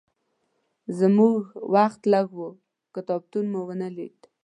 زموږ وخت لږ و، کتابتون مو ونه لید.